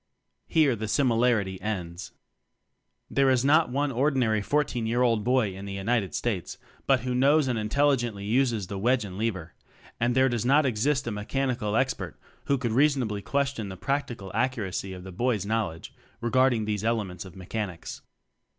Here the similarity ends. There is not on ordinary fourteen year old school boy in the United States but who knows and intelli gently uses the wedge and lever; and there does not exist a Mechanical Expert who could reasonably ques tion the practical accuracy of the boy's knowledge regarding these elements of mechanics.